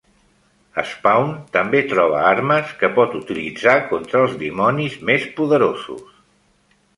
Spawn també troba armes que pot utilitzar contra els dimonis més poderosos.